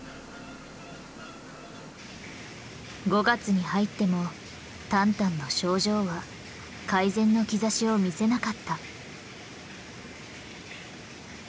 ５月に入ってもタンタンの症状は改善の兆しを見せなかった。